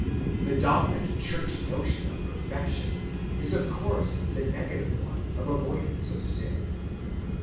(180) The dominant Church notion of perfection is of course the negative one of avoidance of sin.